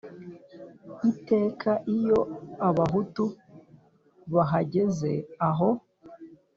iteka iyo abahutu bahageze aho